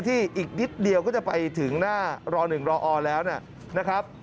อีกนิดเดียวก็จะไปถึงหน้าร๑รอแล้วนะครับ